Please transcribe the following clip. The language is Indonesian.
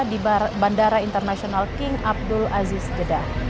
di bandara internasional king abdul aziz jeddah